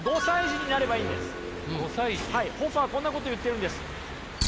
ズバリホッファーはこんなこと言っているんです。